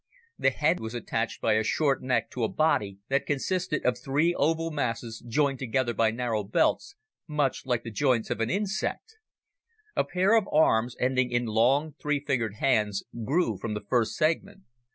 The head was attached by a short neck to a body that consisted of three oval masses joined together by narrow belts, much like the joints of an insect. A pair of arms, ending in long three fingered hands, grew from the first segment.